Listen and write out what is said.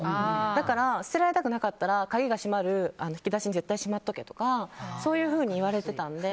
だから、捨てられたくなかったら鍵が閉まる引き出しに絶対閉まっとけとかそういうふうに言われてたので。